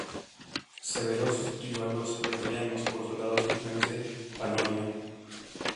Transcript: Severo sustituyó a los pretorianos por soldados originarios de Panonia.